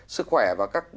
sức khỏe và các